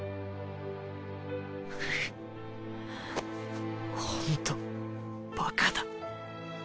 グッホントバカだ。